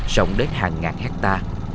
rộng đến hàng ngàn hectare